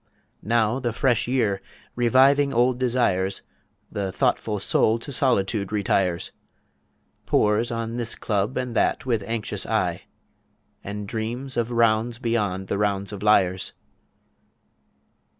Now the fresh Year, reviving old Desires, The thoughtful Soul to Solitude retires, Pores on this Club and That with anxious eye, And dreams of Rounds beyond the Rounds of Liars.